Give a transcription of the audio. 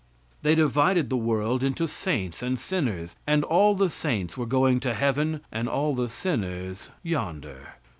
They divided the world into saints and sinners, and all the saints were going to heaven, and all the sinners yonder.